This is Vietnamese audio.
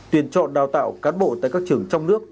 tuyển chọn đào tạo cán bộ tại các trường trong nước